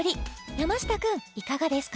山下くんいかがですか？